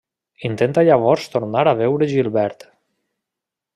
Intenta llavors tornar a veure Gilbert.